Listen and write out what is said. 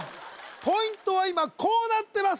ポイントは今こうなってます